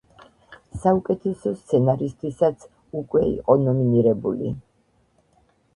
საუკეთესო სცენარისთვისაც უკვე იყო ნომინირებული.